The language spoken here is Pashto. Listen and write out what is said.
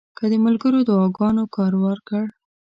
که د ملګرو دعاګانو کار ورکړ.